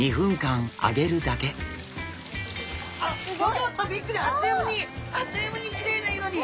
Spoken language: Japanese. ギョギョッとびっくりあっという間にあっという間にキレイな色に！